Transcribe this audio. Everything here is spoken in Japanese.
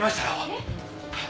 えっ。